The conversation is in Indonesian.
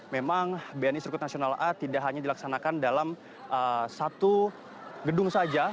memang bni sirkuit nasional a tidak hanya dilaksanakan dalam satu gedung saja